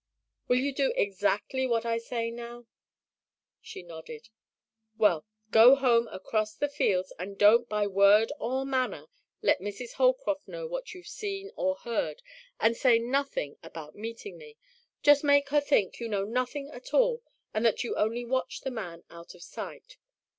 "Will you do exactly what I say now?" She nodded. "Well, go home across the fields and don't by word or manner let Mrs. Holcroft know what you've seen or heard, and say nothing about meeting me. Just make her think you know nothing at all and that you only watched the man out of sight.